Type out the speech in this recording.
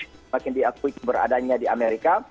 semakin diakui keberadaannya di amerika